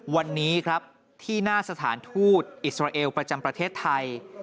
วันนี้ครับที่หน้าสถานทูตอิสราเอลประจำประเทศไทย